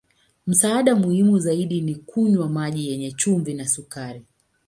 Msaada muhimu zaidi ni kunywa maji yenye chumvi na sukari.